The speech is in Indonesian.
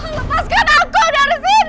lepaskan aku dari sini